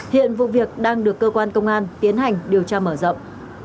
hiện vụ việc đang được cơ quan công an tiến hành điều tra mở rộng